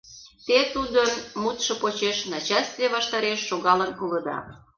Те тудын мутшо почеш начальстве ваштареш шогалын улыда.